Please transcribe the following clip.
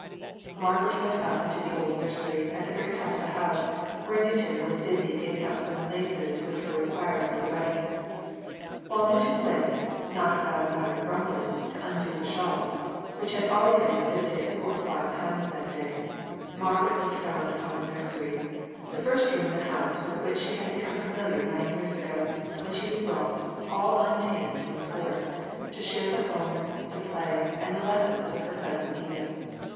Margaret went up into the old nursery at the very top of the house, where Newton was busy getting up some laces which were required for the wedding. While Newton went (not without a muttered grumbling) to undo the shawls, which had already been exhibited four or five times that day, Margaret looked round upon the nursery; the first room in that house with which she had become familiar nine years ago, when she was brought, all untamed from the forest, to share the home, the play, and the lessons of her cousin Edith.